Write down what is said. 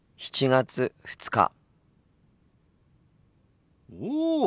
７月２日。